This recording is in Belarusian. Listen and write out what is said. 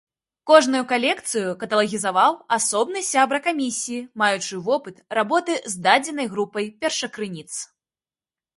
Кожную калекцыю каталагізаваў асобны сябра камісіі, маючы вопыт работы з дадзенай групай першакрыніц.